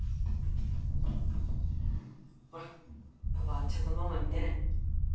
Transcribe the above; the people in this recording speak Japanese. ほらパパちゃんとママに言ってね。